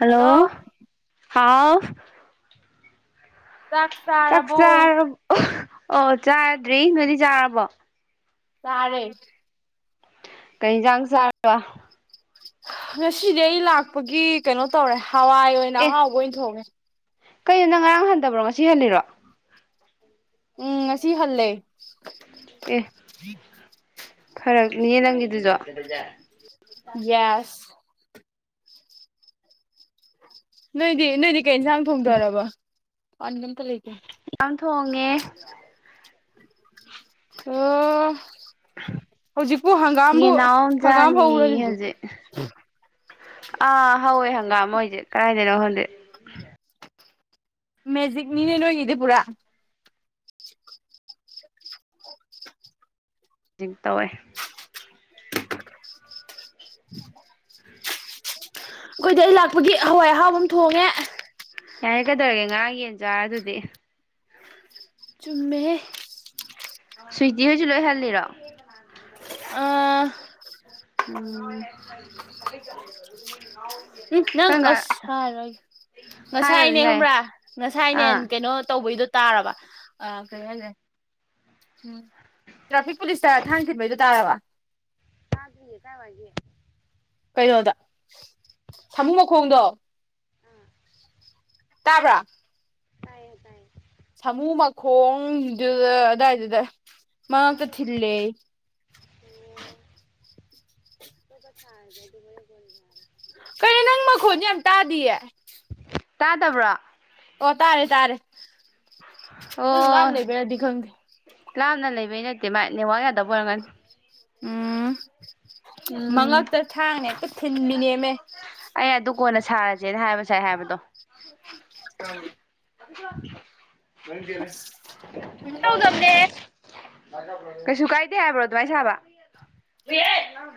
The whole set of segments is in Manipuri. ꯍꯜꯂꯣ ꯍꯥꯎ ꯆꯥꯛ ꯆꯥꯛ ꯆꯥꯔꯕꯣ ꯆꯔꯕ ꯑꯣ ꯆꯥꯗ꯭ꯔꯤ ꯅꯣꯏꯗꯤ ꯆꯥꯔꯕꯣ ꯇꯔꯦ ꯀꯩꯟꯖꯥꯡ ꯆꯥꯔꯕ ꯉꯁꯤꯗꯤ ꯑꯩ ꯂꯥꯛꯄꯒꯤ ꯀꯩꯅꯣ ꯇꯧꯔꯦ ꯍꯋꯥꯏ ꯑꯣꯏꯅ ꯑꯦ ꯑꯍꯥꯎꯕ ꯑꯣꯏꯅ ꯊꯣꯡꯉꯦ ꯀꯩꯅꯣ ꯅꯪ ꯉꯔꯥꯡ ꯍꯟꯗꯕ꯭ꯔꯣ ꯉꯁꯤ ꯍꯜꯂꯤꯔꯣ ꯎꯝ ꯉꯁꯤ ꯍꯜꯂꯦ ꯑꯦ ꯐꯔꯛꯅꯦꯌꯦ ꯅꯪꯒꯤꯗꯨꯁꯨ ꯌꯦꯁ ꯅꯣꯏꯗꯤ ꯅꯣꯏꯗꯤ ꯀꯩ ꯏꯟꯁꯥꯡ ꯊꯣꯡꯊꯔꯕ ꯑꯝꯇ ꯂꯩꯇ ꯌꯥꯝ ꯊꯣꯡꯉꯦ ꯑꯣ ꯍꯧꯖꯤꯄꯨ ꯍꯪꯒꯥꯝꯕꯨ ꯌꯦꯅꯥꯎ ꯑꯃ ꯍꯪꯒꯥꯝ ꯆꯥꯅꯤꯌꯦ ꯍꯧꯔꯖꯤꯗꯤ ꯍꯧꯖꯤꯛ ꯑꯥ ꯍꯧꯋꯦ ꯍꯪꯒꯥꯝ ꯃꯣꯏꯁꯦ ꯀꯗꯥꯏꯗꯅꯣ ꯈꯪꯗꯦ ꯃꯦꯖꯤꯛ ꯅꯤꯅꯦ ꯅꯣꯏꯒꯤꯗꯤ ꯄꯨꯔꯥ ꯑꯝ ꯇꯧꯋꯦ ꯑꯩꯈꯣꯏꯗꯤ ꯑꯩ ꯂꯥꯛꯄꯒꯤ ꯍꯋꯥꯏ ꯑꯍꯥꯎꯕ ꯑꯃ ꯊꯣꯡꯉꯦ ꯌꯥꯔꯀꯗꯧꯔꯒꯦ ꯉꯥꯔꯥꯡ ꯌꯦꯟ ꯆꯥꯔꯗꯨꯗꯤ ꯆꯨꯝꯃꯦꯍꯦ ꯁ꯭ꯋꯤꯇꯤ ꯍꯣꯢꯁꯨ ꯂꯣꯏ ꯍꯜꯂꯤꯔꯣ ꯑꯥ ꯎꯝ [inaudible] ꯎ ꯅꯪ ꯀꯔꯝꯀꯥꯟ ꯑꯁ ꯍꯥꯏꯔꯔꯣꯏꯒꯦ ꯍꯥꯏꯌꯣ ꯑꯗꯨꯝ ꯉꯁꯥꯏꯅꯦ ꯌꯥꯏꯌꯦ ꯈꯪꯕ꯭ꯔꯥ ꯉꯁꯥꯏꯅꯦ ꯑꯥ ꯀꯩꯅꯣ ꯇꯧꯕꯩꯗꯣ ꯇꯥꯔꯕ ꯑ ꯀꯩ ꯍꯥꯏꯒ꯭ꯔꯦ ꯎꯝ ꯇ꯭ꯔꯥꯐꯤꯛ ꯄꯨꯂꯤꯁꯇ ꯊꯥꯡꯅ ꯊꯤꯟꯕꯩꯗꯨ ꯇꯥꯔꯕ ꯇꯥꯗꯦꯌꯦ ꯀꯋꯥꯏꯒꯤ ꯀꯩꯅꯣꯗ ꯁꯥꯃꯨꯨ ꯃꯈꯣꯡꯗꯣ ꯇꯥꯕ꯭ꯔꯥ ꯇꯥꯏꯌꯦ ꯇꯥꯏꯌꯦ ꯁꯥꯃꯨ ꯃꯈꯣꯡꯗꯨꯗ ꯑꯗꯨꯗꯥꯋꯥꯏꯗꯨꯗ ꯃꯉꯛꯇ ꯊꯤꯜꯂꯦꯌꯦ ꯑꯣꯣ ꯀ ꯊ ꯍꯥꯏꯗ ꯑꯗꯨ ꯃꯔ [inaudible] ꯀꯔꯤꯅꯣ ꯅꯪ ꯃꯈꯣꯟꯗꯤ ꯌꯥꯝ ꯇꯥꯗꯤꯌꯦ ꯇꯥꯗꯕ꯭ꯔꯣ ꯑꯣ ꯇꯥꯔꯦ ꯇꯥꯔꯦ ꯅꯪ ꯑꯣ ꯂꯥꯞꯅ ꯂꯩꯕꯩꯔꯗꯤ ꯈꯪꯗꯦ ꯂꯥꯞꯅ ꯂꯩꯕꯩ ꯅꯠꯇꯦ ꯃꯥ ꯅꯦꯋꯥꯥꯛ ꯌꯥꯗꯕ ꯑꯣꯏꯔꯝꯒꯅꯤ ꯎꯝ ꯎꯝ ꯃꯉꯛꯇ ꯊꯥꯡꯅ ꯑꯦꯛꯇ ꯊꯤꯟꯕꯤꯅꯦꯃꯦ ꯑꯩ ꯑꯗꯨ ꯀꯣꯟꯅ ꯁꯥꯔꯁꯦꯅ ꯍꯥꯏꯕ ꯁꯥꯏ ꯍꯥꯏꯕꯗꯣ ꯎꯝ inaudible [inaudible] ꯌꯦ ꯀꯅꯦꯃ ꯑꯁ ꯀꯩꯁꯨ ꯇꯧꯗꯕꯅꯦ inaudible [inaudible] ꯀꯩꯁꯨ ꯀꯥꯏꯗꯦ ꯍꯥꯏꯕ꯭ꯔꯣ ꯑꯗꯨꯃꯥꯏꯅ ꯁꯥꯕ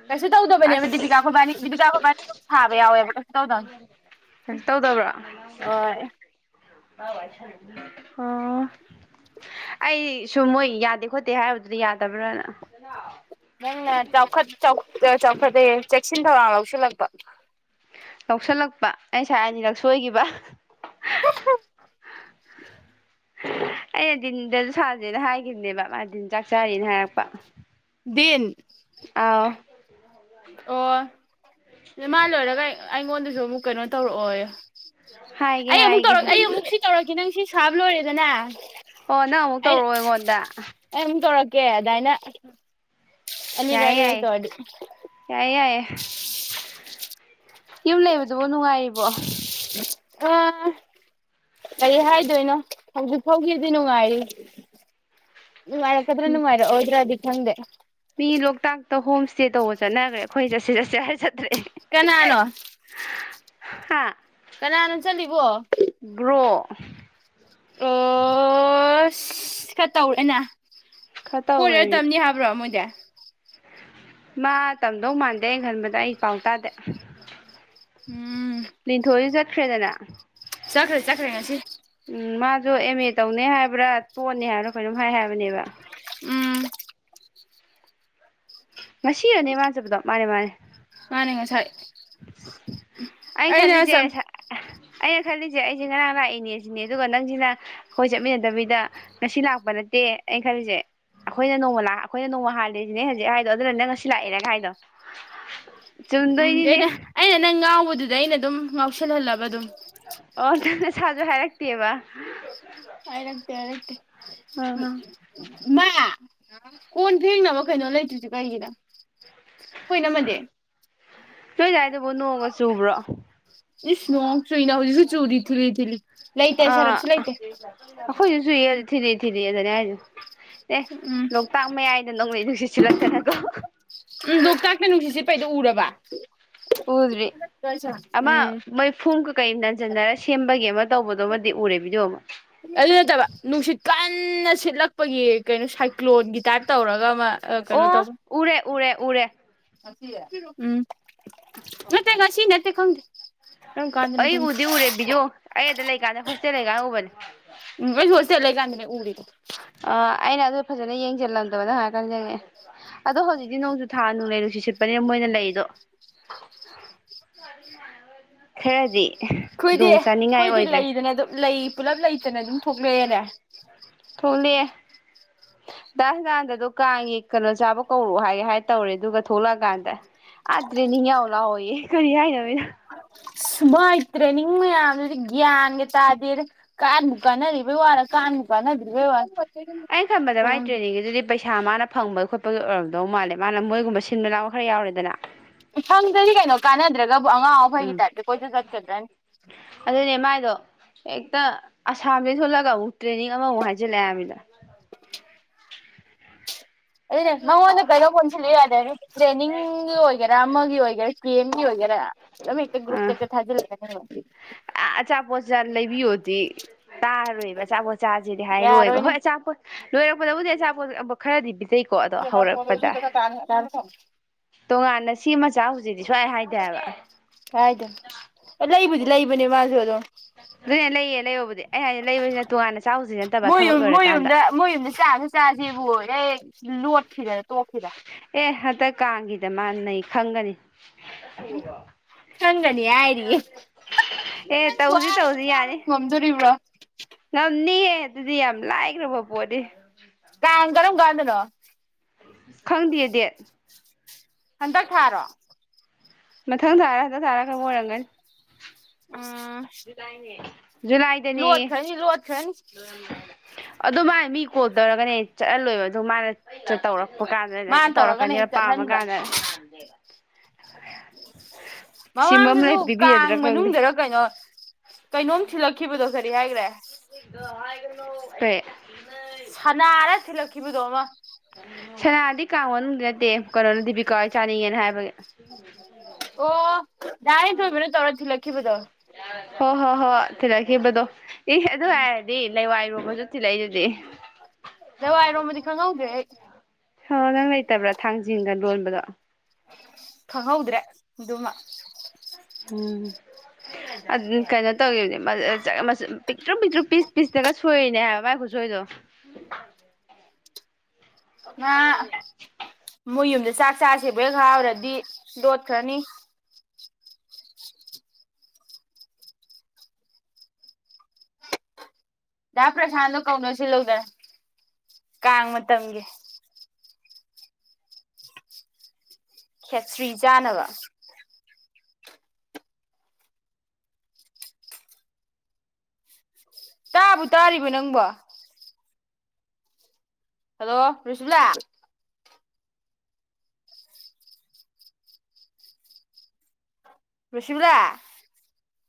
ꯀꯩꯁꯨ ꯇꯧꯗꯕꯅꯦꯕ ꯑꯁ ꯗꯤꯕꯤꯀꯥ ꯃꯕꯅꯤ ꯗꯤꯕꯤꯀꯥ ꯃꯥꯕꯥꯅꯤ ꯑꯗꯨꯝ ꯁꯥꯕ ꯌꯥꯎꯋꯦꯕ ꯀꯩꯁꯨ ꯇꯧꯗꯕꯅꯤ ꯀꯩꯁꯨ ꯇꯧꯗꯕ꯭ꯔꯥ ꯍꯣꯏ ꯑꯣ ꯑꯩꯁꯨ ꯃꯣꯏ ꯌꯥꯗꯦ ꯈꯣꯠꯇꯦ ꯍꯥꯏꯕꯗꯨꯗꯤ ꯌꯥꯗꯕ꯭ꯔꯥꯅ ꯅꯥinaudible [inaudible] ꯅꯪꯅ ꯆꯥꯎꯈꯠ ꯆꯥꯎꯈꯠꯇꯦ ꯆꯦꯛꯁꯤꯟ ꯊꯧꯔꯥꯡ ꯂꯧꯁꯤꯜꯂꯛꯄ ꯌꯥꯧꯁꯜꯂꯛꯄ ꯑꯩꯁꯦ ꯉꯥꯁꯥꯏ ꯑꯅꯤꯔꯛ ꯁꯣꯏꯈꯤꯕ ꯍꯦ ꯍꯦ ꯑꯩꯅ ꯗꯤꯟꯗꯁꯨ ꯁꯥꯖꯦꯅ ꯍꯥꯏꯈꯤꯕꯅꯦꯕ ꯃꯥꯗꯤꯟ ꯆꯥꯛ ꯆꯔꯤꯅ ꯍꯥꯏꯔꯛꯄ ꯗꯤꯟ [inaudible] ꯑꯥꯎ ꯑꯣ ꯃꯥ ꯂꯣꯏꯔꯒ ꯑꯩꯉꯣꯟꯗꯁꯨ ꯑꯃꯨꯛ ꯀꯩꯅꯣ ꯇꯧꯔꯛꯑꯣꯌꯣ ꯍꯥꯏꯒꯦ ꯑꯩ ꯑꯃꯨꯛ ꯍꯥꯏꯒꯦ ꯇꯧꯔꯛ ꯑꯩ ꯑꯃꯨꯛ ꯁꯤ ꯇꯧꯔꯛꯀꯦ ꯅꯪ ꯁꯤ ꯁꯥꯕ ꯂꯣꯏꯔꯦꯗꯅꯦ ꯑꯣ ꯅꯪ ꯑꯃꯨꯛ ꯇꯧꯔꯛꯑꯣ ꯑꯩꯉꯣꯟꯗ ꯑꯩ ꯑꯃꯨꯛ ꯇꯧꯔꯛꯀꯦ ꯑꯗꯨꯃꯥꯏꯅ ꯑꯅꯤꯔꯛ ꯌꯥꯏꯌꯦ ꯑꯅꯤꯔꯛ ꯌꯥꯏꯌꯦ ꯇꯧꯔꯗꯤ ꯌꯥꯏꯌꯦ ꯌꯥꯏꯌꯦ ꯌꯨꯝ ꯂꯩꯕꯗꯨꯕꯨ ꯅꯨꯡꯉꯥꯏꯔꯤꯕꯣ ꯑꯥ ꯀꯔꯤ ꯍꯥꯏꯗꯣꯏꯅꯣ ꯍꯧꯖꯤꯛ ꯐꯥꯎꯒꯤꯗꯤ ꯅꯨꯡꯉꯥꯏꯔꯤ ꯅꯨꯪꯉꯥꯏꯔꯛ ꯀꯗꯔꯥ ꯅꯨꯉꯥꯏꯔꯛ ꯑꯣꯏꯗꯔ꯭ꯗꯤ ꯈꯪꯗꯦ ꯃꯤ ꯂꯣꯛꯇꯥꯛꯇ ꯍꯣꯝ ꯏꯁꯇꯦ ꯇꯧꯕ ꯆꯠꯅꯈ꯭ꯔꯦ ꯑꯩꯈꯣꯏ ꯆꯠꯁꯤ ꯆꯠꯁꯦ ꯍꯥꯏ ꯆꯠꯇ꯭ꯔꯦ ꯀꯅꯥꯅꯣ ꯍꯥꯥ ꯀꯅꯥꯅꯣ ꯆꯠꯂꯤꯕꯣ ꯕꯔꯣ ꯑꯣꯁ ꯈꯔ ꯇꯧꯔꯦꯅ ꯈꯔ ꯍꯣꯏꯗ ꯇꯧꯈ꯭ꯔꯦ ꯃꯤ ꯇꯝꯅꯤ ꯍꯥꯏꯕ꯭ꯔꯣ ꯃꯣꯏꯗꯤ ꯃꯥ ꯇꯝꯗꯧ ꯃꯥꯟꯗꯦ ꯑꯩꯅ ꯈꯟꯕꯗ ꯑꯩ ꯄꯥꯎ ꯇꯥꯗꯦ ꯎꯝ ꯂꯤꯟꯊꯣꯏꯁꯨ ꯆꯠꯈ꯭ꯔꯦꯗꯅ ꯆꯈ꯭ꯔꯦ ꯆꯈ꯭ꯔꯦ ꯉꯁꯤ ꯎꯝ ꯃꯥꯁꯨ ꯑꯦꯝ ꯑꯦ ꯇꯧꯅꯦ ꯍꯥꯏꯕ꯭ꯔꯥ ꯇꯣꯛꯅꯤ ꯍꯥꯏꯕ꯭ꯔꯥ ꯀꯩꯅꯣꯝ ꯍꯥꯏ ꯍꯥꯏꯕꯅꯦꯕ ꯎꯝ ꯉꯁꯤꯔꯅꯦ ꯃꯥꯟ ꯆꯠꯄꯗꯣ ꯃꯥꯅꯦ ꯃꯥꯅꯦ ꯃꯥꯅꯦ ꯉꯁꯥꯏ ꯎꯝ ꯑꯩꯅ ꯑꯦ ꯑꯩꯅ ꯈꯜꯂꯤꯁꯦ ꯑꯩꯁꯦ ꯉꯔꯥꯡ ꯂꯥꯛꯏꯅꯦ ꯁꯤꯅꯦ ꯑꯗꯨꯒ ꯅꯪꯁꯤꯅ ꯑꯩꯈꯣꯏ ꯆꯠꯃꯤꯟꯅꯗꯕꯤꯗ ꯉꯁꯤ ꯂꯥꯛꯄ ꯅꯠꯇꯦ ꯑꯩꯅ ꯈꯜꯂꯤꯁꯦ ꯑꯩꯈꯣꯏꯅ ꯅꯣꯡꯃ ꯂꯛ ꯑꯩꯈꯣꯏꯅ ꯅꯣꯡꯃ ꯍꯥꯜꯂꯤꯁꯤꯅꯦ ꯍꯧꯖꯤꯛ ꯍꯥꯏꯗꯣ ꯑꯗꯨꯅ ꯅꯦ ꯅꯪ ꯉꯁꯤ ꯂꯥꯛꯏꯔꯒ ꯍꯥꯏꯗꯣ ꯆꯨꯝꯗꯣꯏꯅꯤꯅꯦ ꯎꯗꯩꯗ ꯑꯩꯅ ꯅꯪ ꯌꯥꯎꯕꯗꯨꯗ ꯑꯩꯅ ꯑꯗꯨꯝ ꯉꯥꯎꯁꯤꯜꯍꯜꯂꯕ ꯑꯗꯨꯝ ꯑꯣ ꯈꯪ ꯁꯥꯔꯁꯨ ꯍꯥꯏꯔꯛꯇꯦꯕ ꯍꯥꯏꯔꯛꯇꯦ ꯍꯥꯏꯔꯛꯇꯦ ꯑꯥ ꯎ ꯑꯥ ꯃꯥ ꯀꯣꯟ ꯐꯦꯡꯅꯕ ꯀꯩꯅꯣ ꯂꯩꯇ꯭ꯔꯤꯁꯨ ꯀꯩꯒꯤꯅꯣ ꯈꯣꯏ ꯏꯅꯝꯃꯗꯤ ꯅꯣꯏꯗꯥꯏꯗꯕꯨ ꯅꯣꯡꯉꯒꯥ ꯆꯨꯕ꯭ꯔꯣ ꯏꯁ ꯅꯣꯡ ꯆꯨꯏꯅ ꯍꯧꯖꯤꯛꯁꯨ ꯆꯨꯔꯤ ꯊꯤꯠꯂꯤ ꯊꯤꯠꯂꯤ ꯂꯩꯇꯦ ꯑꯥ ꯁꯔꯞꯁꯨ ꯂꯩꯇꯦ ꯑꯈꯣꯏꯁꯨ ꯆꯨꯏꯌꯦ ꯎꯝ ꯊꯤꯜꯂꯤ ꯊꯤꯜꯂꯤꯑ ꯑꯗꯨꯅ ꯍꯥꯏꯁꯦ ꯑꯦ ꯎꯝ ꯎꯝ ꯂꯣꯛꯇꯥꯛ ꯃꯌꯥꯏꯗ ꯅꯣꯡꯂꯩ ꯅꯨꯡꯁꯤꯠ ꯁꯤꯜꯂꯛꯇꯅꯀꯣ ꯂꯣꯛꯇꯥꯛꯇ ꯅꯨꯡꯁꯤꯠ ꯁꯤꯠꯄꯩꯗꯣ ꯎꯔꯕ ꯎꯗ꯭ꯔꯤ ꯑꯃ ꯎꯝ ꯃꯩ ꯐꯨꯝ ꯀꯀꯩ ꯅꯟꯖꯟꯅꯔ ꯁꯦꯝꯕꯒꯤ ꯑꯃ ꯇꯧꯕꯗꯣꯃꯗꯤ ꯎꯔꯦ ꯕꯤꯗꯤꯌꯣ ꯑꯃ ꯑꯗꯨ ꯅꯠꯇꯕ ꯅꯨꯡꯁꯤꯠ ꯀꯟꯅ ꯁꯤꯠꯂꯛꯄꯒꯤ ꯀꯩꯅꯣ ꯁꯥꯏꯀ꯭ꯂꯣꯟꯒꯤ ꯇꯥꯏꯞ ꯇꯧꯔꯒ ꯑꯃ ꯀꯩꯅꯣ ꯑꯣ ꯇꯧꯕ ꯎꯔꯦ ꯎꯔꯦ ꯎꯔꯦ ꯎꯝ ꯅꯠꯇꯦ ꯉꯁꯤ ꯅꯠꯇꯦ ꯈꯪꯗ ꯀꯝꯀꯥꯟꯗꯅꯣ ꯈꯪꯗ [unintelligible] ꯑꯩ ꯑꯗ ꯂꯩꯀꯥꯟꯗ ꯍꯣꯁꯇꯦꯜ ꯂꯩꯀꯥꯟꯗ ꯎꯕꯅꯦ ꯎꯝ [unintelligible] ꯂꯩꯒꯥꯟꯅꯦ ꯎꯔꯤꯗꯤ ꯑ ꯑꯩꯅ ꯑꯗꯨ ꯐꯖꯅ ꯌꯦꯡꯁꯤꯜꯂꯝꯗꯕꯅ ꯍꯥꯏꯔ ꯈꯥꯟ ꯌꯦꯉꯛꯑꯦ ꯑꯗꯣ ꯍꯧꯖꯤꯛ ꯗꯤ ꯅꯣꯡꯁꯨ ꯊꯥ ꯅꯨꯡꯂꯩ ꯅꯨꯡꯁꯤꯠ ꯁꯤꯠꯄꯅꯤꯅ ꯃꯣꯏꯅ ꯂꯩꯗꯣ [unintelligible] ꯈꯔꯗꯤ ꯑꯩꯈꯣꯏꯗꯤ ꯈꯨꯗꯣꯡ ꯆꯥꯅꯤꯡꯉꯥꯏ ꯑꯩꯈꯣꯏꯗꯤ ꯑꯣꯏꯗ꯭ꯔꯦ ꯂꯩꯗꯅ ꯑꯗꯨꯝ ꯂꯩ ꯄꯨꯂꯞ ꯂꯩꯇꯅ ꯑꯗꯨꯝ ꯊꯣꯛꯂꯛꯑꯦꯅꯦ ꯊꯣꯛꯂꯦ ꯗꯥꯟꯗꯗꯣ ꯀꯥꯡꯒꯤ ꯀꯩꯅꯣ ꯆꯥꯕ ꯀꯧꯔꯛꯑꯣ ꯍꯥꯏꯒꯦ ꯍꯥꯏ ꯇꯧꯔꯦ ꯑꯗꯨꯒ ꯊꯣꯛꯂꯛꯑꯀꯥꯟꯗ ꯑꯗꯨꯗ꯭ꯔꯦ ꯅ ꯌꯥꯎ ꯂꯥꯎꯑꯣꯌꯦꯦ ꯀꯔꯤ ꯍꯥꯏꯅꯃꯤꯅ ꯃꯥꯏ ꯇ꯭ꯔꯦꯅꯤꯡ ꯃꯌꯥꯝ ꯒꯌꯥꯟꯒ ꯇꯥꯗꯦꯗ ꯀꯥꯟꯕꯨ ꯀꯥꯟꯅꯔꯤꯕꯩ ꯋꯔꯥ ꯀꯥꯟꯕꯨ ꯀꯥꯟꯅ ꯗꯔꯤꯕꯩ ꯋꯔꯥ ꯑꯩꯩꯅ ꯈꯟꯕꯗ ꯃꯥꯏ ꯇ꯭ꯔꯦꯅꯤꯡ ꯒꯤꯗꯨꯗꯤ ꯄꯩꯁꯥ ꯃꯥꯅ ꯐꯪꯕ ꯈꯣꯠꯄꯒꯤ ꯑꯣꯏꯔꯝꯗꯧ ꯃꯥꯜꯂꯦ ꯃꯥꯅ ꯃꯣꯏꯒꯨꯝꯕ ꯁꯤꯟꯕ ꯂꯥꯡꯕ ꯈꯔ ꯌꯥꯎꯔꯦꯗꯅ ꯐꯪꯗꯗꯤ ꯀꯩꯅꯣ ꯀꯥꯟꯅꯗ꯭ꯔꯒꯕꯨ ꯑꯉꯥꯎ ꯎꯝ ꯑꯈꯩꯒꯤ ꯇꯥꯏꯞꯇ ꯀꯣꯏꯁꯨ ꯆꯠꯀꯗ꯭ꯔꯅꯤ ꯑꯗꯨꯅꯦ ꯃꯥꯏꯗꯣ ꯍꯦꯛꯇ ꯑꯁꯥꯝꯗꯩ ꯊꯣꯛꯣꯜꯂꯒ ꯑꯃꯨꯛ ꯇ꯭ꯔꯦꯅꯤꯡ ꯑꯃꯃꯨꯛ ꯍꯥꯏꯖꯤꯜꯂꯛꯑ ꯍꯥꯏꯃꯤꯗ ꯑꯗꯨꯅꯦ ꯃꯥꯉꯣꯟꯗꯒꯩꯅ ꯄꯨꯟꯁꯤ ꯂꯩ ꯌꯥꯗꯦꯅꯤ ꯇ꯭ꯔꯦꯅꯤꯡꯒꯤ ꯑꯣꯏꯒꯦꯔꯥ ꯑꯃꯒꯤ ꯑꯣꯏꯒꯦꯔꯥ ꯀꯤ ꯑꯦꯝꯒꯤ ꯑꯣꯏꯒꯦꯔꯥ ꯑꯗꯨꯝ ꯍꯦꯛꯇ ꯒ꯭ꯔꯨꯞꯇ ꯍꯦꯛꯇ ꯊꯥꯖꯤꯜꯂꯛꯒꯅꯤ [unintelligible] ꯑꯆꯥꯄꯣꯠꯆꯥ ꯂꯩꯕꯤꯌꯣꯗꯤ ꯇꯥꯔꯣꯏꯕ ꯑꯆꯥꯄꯣꯠ ꯆꯥꯁꯤꯗꯤ ꯍꯥꯏꯔꯣꯏꯕ ꯌꯥꯔꯣꯏꯅꯦ ꯍꯣꯏ ꯑꯆꯥꯄꯣꯠ ꯂꯣꯏꯔꯛꯄꯗꯕꯨꯗꯤ ꯑꯆꯥꯄꯣꯠ ꯈꯔꯗꯤ ꯄꯤꯖꯩꯀꯣ ꯑꯗꯣ ꯍꯧꯔꯛꯄꯗ ꯇꯣꯉꯥꯟꯅ ꯁꯤꯃꯥ ꯆꯥꯎꯖꯦꯗꯤ ꯁꯨꯍꯥꯏ ꯍꯥꯏꯗꯦꯑꯕ ꯀꯥꯏꯗꯅ ꯂꯩꯕꯨꯗꯤ ꯂꯩꯕꯅꯦ ꯃꯥꯁꯨ ꯑꯗꯝ ꯑꯗꯨꯅꯦ ꯂꯩꯌꯦ ꯂꯩꯔꯕꯨꯗꯤ ꯑꯩ ꯍꯥꯏꯗꯤ ꯂꯩꯕꯁꯤꯅ ꯇꯣꯉꯥꯟꯅ ꯆꯥꯎꯁꯤ ꯅꯠꯇꯕ ꯃꯣꯏ ꯊꯕꯛ ꯌꯨꯝ ꯃꯣꯏ ꯂꯣꯏꯔꯀꯥꯟꯗ ꯌꯨꯝꯗ ꯃꯣꯏ ꯌꯨꯝꯗ ꯆꯥꯁꯨ ꯆꯁꯦꯕꯨ ꯍ ꯂꯣꯠꯈꯤꯗ ꯇꯣꯛꯈꯤꯔ ꯑꯦ ꯍꯟꯗꯛ ꯀꯥꯡꯒꯤꯗ ꯃꯥꯥꯟꯅꯩ ꯈꯪꯒꯅꯤ ꯎꯝ ꯈꯪꯒꯅꯤ ꯍꯥꯏꯔꯤꯌꯦ ꯑꯦ ꯅꯪꯕꯨ ꯇꯧꯁꯤ ꯍꯥꯏꯕ ꯇꯧꯁꯤ ꯆꯥꯕꯕꯨ ꯌꯥꯅꯤ ꯉꯝꯗꯣꯔꯤꯕ꯭ꯔꯣ ꯉꯝꯅꯤꯍꯦ ꯑꯗꯨꯗꯤ ꯌꯥꯝ ꯂꯥꯏꯈ꯭ꯔꯕ ꯄꯣꯠꯅꯤ ꯀꯥꯡ ꯀꯔꯝ ꯀꯥꯟꯗꯅꯣ ꯈꯪꯗꯦ ꯗꯦꯠ ꯍꯟꯗꯛ ꯊꯥꯔꯣ ꯃꯊꯪ ꯇꯥꯔꯗ ꯇꯥꯔꯒ ꯑꯣꯏꯔꯝꯒꯅꯤ ꯎꯝ ꯖꯨꯂꯥꯏꯗꯅꯦ ꯂꯣꯠꯈ꯭ꯔꯅꯤ ꯂꯣꯠꯈ꯭ꯔꯅꯤ ꯑꯗꯨ ꯃꯥ ꯃꯤ ꯀꯣꯜ ꯇꯧꯔꯒꯅꯦ ꯆꯠꯍꯜꯂꯣꯏꯕ ꯑꯗꯨ ꯃꯥꯅ ꯇꯧꯔ ꯀꯥꯟꯗ ꯃꯥꯅ ꯇꯧꯔꯒꯅ ꯍꯦꯛ ꯇꯧꯔꯛꯀꯅꯦꯕ ꯄꯥꯝꯃ ꯆꯠꯍꯟꯕ ꯀꯥꯟꯗ ꯁꯤꯃ ꯑꯃ ꯃꯃꯥꯡꯗꯁꯨ ꯂꯩ ꯀꯥꯡ ꯄꯤꯕꯤꯔꯗ꯭ꯔꯥ ꯈꯪꯗꯦ ꯃꯅꯨꯡꯗꯔ ꯀꯩꯅꯣ ꯀꯩꯅꯣꯝ ꯊꯤꯜꯂꯛꯈꯤꯕꯗꯣ ꯀꯔꯤ ꯍꯥꯏꯈ꯭ꯔꯦ ꯀꯩ ꯁꯅꯥꯔ ꯊꯤꯜꯂꯛꯈꯤꯕꯗꯣ ꯑꯃ ꯁꯅꯥꯗꯤ ꯀꯥꯡ ꯃꯅꯨꯡꯗ ꯅꯠꯇꯦ ꯀꯩꯅꯣꯅ ꯗꯤꯕꯤꯀꯥ ꯆꯥꯅꯤꯡꯉꯦꯅ ꯍꯥꯏꯕꯒꯤ [unintelligible] ꯑꯣ ꯗꯥ [unintelligible] ꯇꯩꯔ ꯊꯤꯂꯛꯈꯤꯕꯗꯣ ꯍꯣ ꯍꯣ ꯍꯣ ꯊꯤꯔꯛꯈꯤꯕꯗꯣ ꯑꯗꯨ ꯍꯥꯏ ꯑꯗꯨꯗꯤ ꯂꯩꯋꯥꯏꯔꯨꯕꯁꯨ ꯊꯤꯜꯂꯛꯏ ꯑꯗꯨꯗꯤ ꯂꯋꯥꯏꯔꯣꯝꯕꯗꯤ ꯈꯪꯍꯧꯗ꯭ꯔꯦ ꯑꯩ ꯍ ꯅꯪ ꯂꯩꯇꯕ꯭ꯔꯥ ꯊꯥꯡꯖꯤꯡꯒ ꯂꯣꯟꯕꯗꯣ ꯍꯧꯗ꯭ꯔꯦ ꯑꯗꯨꯃ ꯎꯝ ꯀꯩꯅꯣ ꯇꯧꯈꯤꯕꯅꯦ ꯄꯤꯛꯇ꯭ꯔꯨ ꯄꯤꯛꯇ꯭ꯔꯨ ꯄꯤꯁ ꯄꯤꯁꯇꯒ ꯁꯣꯏꯔꯤꯅꯦ ꯍꯥꯏꯕ ꯃꯥꯏ ꯖꯣꯏꯗꯣ ꯉꯥ ꯃꯣꯏ ꯌꯨꯝꯗ ꯆꯥꯛ ꯆꯥꯁꯦꯕꯦꯛ ꯍꯥꯎꯔꯗꯤ ꯂꯣꯠꯈ꯭ꯔꯅꯤ ꯗꯥ ꯄ꯭ꯔꯁꯥꯟꯗꯣ ꯀꯧꯅ ꯁꯤꯜꯂꯧꯗꯅ ꯀꯥꯡ ꯃꯇꯝꯒꯤ ꯈꯦꯇ꯭ꯔꯤ ꯆꯥꯅꯕ ꯇꯥꯕꯨ ꯇꯥꯔꯤꯕ ꯅꯪꯕ ꯍꯜꯂꯣ ꯔꯤꯁꯤꯂꯥ ꯔꯨꯁꯤꯃꯗꯥ